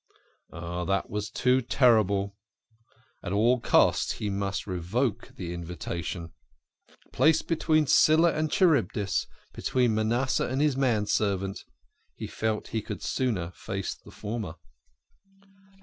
Oh, it was too terrible. At all costs he must revoke the invitation (?). Placed between Scylla and Charybdis, between Manasseh and his manservant, he felt he could sooner face the former.